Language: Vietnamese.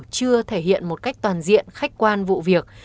chưa thể hiện một cách toàn diện khách quan vụ việc